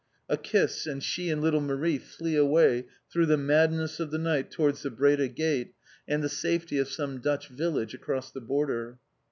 A kiss, and she and little Marie flee away through the madness of the night towards the Breda Gate and the safety of some Dutch village across the border.